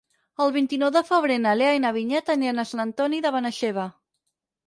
El vint-i-nou de febrer na Lea i na Vinyet aniran a Sant Antoni de Benaixeve.